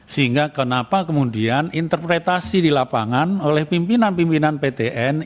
sehingga kenapa kemudian interpretasi di lapangan oleh pimpinan pimpinan ptn